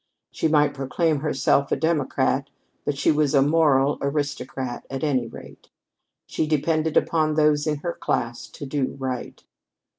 She might proclaim herself a democrat, but she was a moral aristocrat, at any rate. She depended upon those in her class to do right.